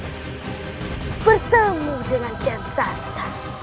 kau sudah bertemu dengan kian santan